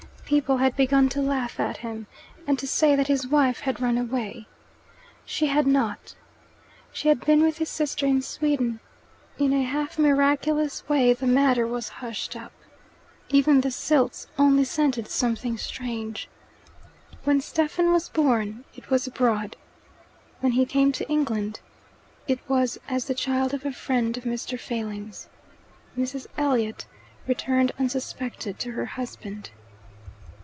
People had begun to laugh at him, and to say that his wife had run away. She had not. She had been with his sister in Sweden. In a half miraculous way the matter was hushed up. Even the Silts only scented "something strange." When Stephen was born, it was abroad. When he came to England, it was as the child of a friend of Mr. Failing's. Mrs. Elliot returned unsuspected to her husband.